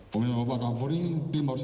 kemudian bapak kapolri tim harus